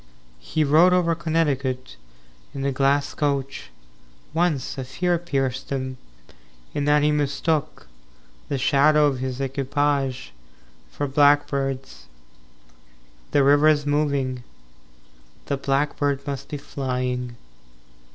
XI He rode over Connecticut In a glass coach. Once, a fear pierced him, In that he mistook The shadow of his equipage for blackbirds. XII The river is moving. The blackbird must be flying.